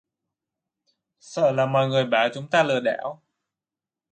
sợ là mọi người bảo chúng ta lừa đảo